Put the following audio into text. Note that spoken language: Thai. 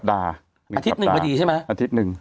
อาทิตย์หนึ่งพอดีใช่ไหมอาทิตย์หนึ่ง